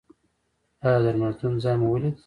ایا د درملتون ځای مو ولید؟